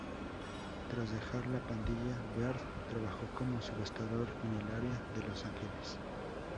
Tras dejar "La Pandilla", Beard trabajó como subastador en el área de Los Ángeles.